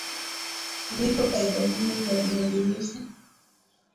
ziko faida nyingi za viazi lishe